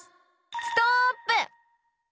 ストップ！